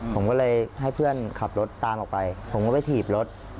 ผมก็เลยให้เพื่อนขับรถตามออกไปผมก็ไปถีบรถ